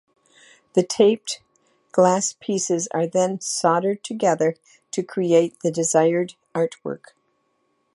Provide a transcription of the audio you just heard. The taped glass pieces are then soldered together to create the desired artwork.